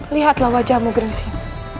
lihatlah wajahmu gengsim